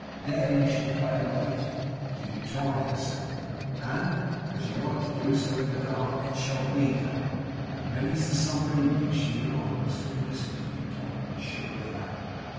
There you shall play away, Tom, till you tire yourself; and, as you like to do so in the dark, it shall BE dark; and many's the summer evening she and I will sit and listen to you, Tom; be sure of that!